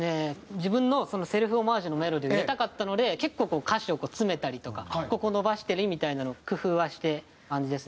自分のセルフオマージュのメロディーを入れたかったので結構こう歌詞を詰めたりとかここ伸ばしたりみたいなの工夫はして感じですね。